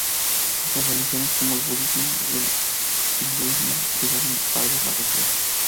Otras religiones, como el budismo y el hinduismo, llegaron tarde a la región.